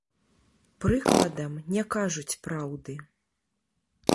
Прыкладам, не кажуць праўды.